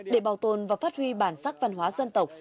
để bảo tồn và phát huy bản sắc văn hóa dân tộc